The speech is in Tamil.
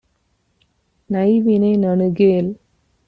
நைவினை நணுகேல்.